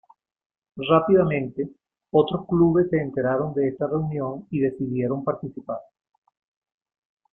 Rápidamente, otros clubes se enteraron de esta reunión y decidieron participar.